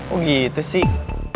oh gitu sih